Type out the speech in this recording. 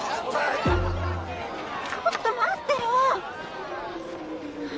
ちょっと待ってよ。